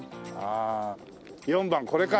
４番これか。